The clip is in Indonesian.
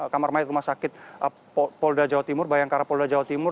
kamar mayat rumah sakit polda jawa timur bayangkara polda jawa timur